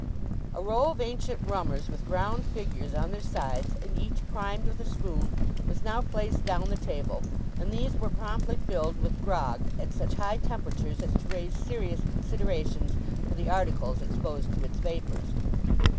A row of ancient rummers with ground figures on their sides, and each primed with a spoon, was now placed down the table, and these were promptly filled with grog at such high temperatures as to raise serious considerations for the articles exposed to its vapours.